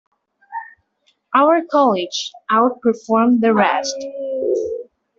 Our colleges outperformed the rest.